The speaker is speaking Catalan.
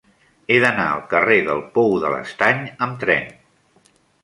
He d'anar al carrer del Pou de l'Estany amb tren.